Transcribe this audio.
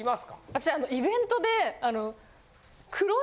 私イベントで。